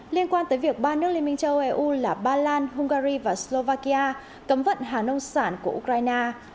liên quan tới việc ba nước liên minh châu âu là ba lan hungary và slovakia cấm vận hà nông sản của ukraine